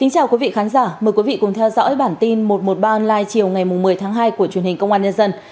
chào mừng quý vị đến với bản tin một trăm một mươi ba online chiều ngày một mươi tháng hai của truyền hình công an nhân dân